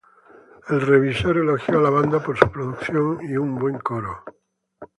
El revisor elogió a la banda por su producción y un buen coro.